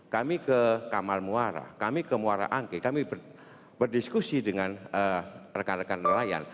kami ke kamal muara kami ke muara angke kami berdiskusi dengan rekan rekan nelayan